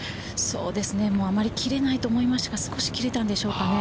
あまり切れないと思いましたが、少し切れたんでしょうかね。